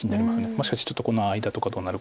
しかしちょっとこの間とかどうなるかとか。